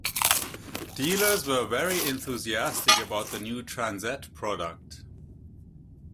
Dealers were very enthusiastic about the new Transette product.